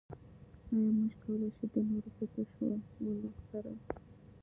ايا موږ کولای شو د نورو په تشولو سره.